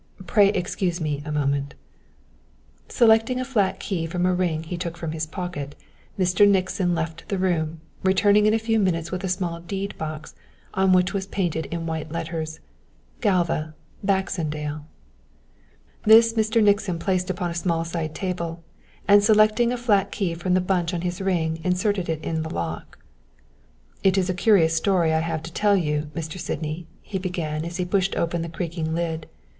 Pray excuse me a moment." Selecting a flat key from a ring he took from his pocket, Mr. Nixon left the room, returning in a few minutes with a small deed box on which was painted in white letters GALVA BAXENDALE This, Mr. Nixon placed upon a small side table, and selecting a flat key from the bunch on his ring inserted it in the lock. "It is a curious story that I have to tell you, Mr. Sydney," he began as he pushed open the creaking lid.